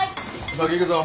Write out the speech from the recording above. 先行くぞ。